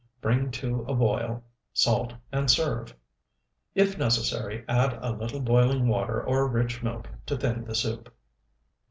Bring to a boil, salt, and serve. If necessary, add a little boiling water or rich milk to thin the soup.